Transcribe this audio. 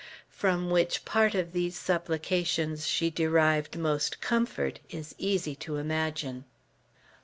From which part of these supplications she derived most comfort is easy to imagine.